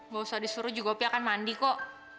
gak usah disuruh juga kopi akan mandi kok